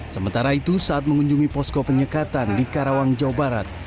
sementara itu saat mengunjungi posko penyekatan di karawang jawa barat